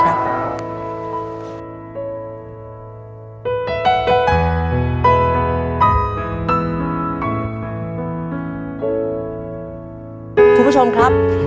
คุณผู้ชมครับ